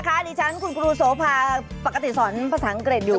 คุณครูแบบนี้นะคะดิฉันคุณครูโสภาปกติสอนภาษาอังกฤษอยู่